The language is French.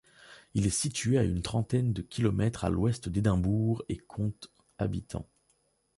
Il est situé à une trentaine de kilomètres à l'ouest d'Édimbourg et compte habitants.